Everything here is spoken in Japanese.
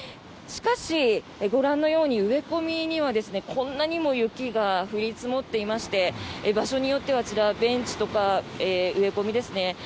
しかし、ご覧のように植え込みにはこんなにも雪が降り積もっていまして場所によってはあちら、ベンチとか植え込みですね。